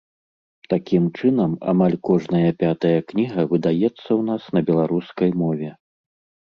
Такім чынам, амаль кожная пятая кніга выдаецца ў нас на беларускай мове.